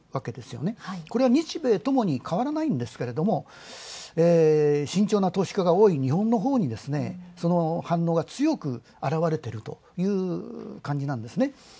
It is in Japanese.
これは日米ともにかわらないんですが、慎重な投資家が多い日本のほうに反応が強くあらわれているという感じなんですね。